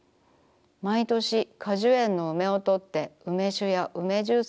まいとし果樹園の梅をとって梅酒や梅ジュースや梅干しをつくります。